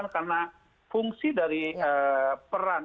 karena fungsi dari peran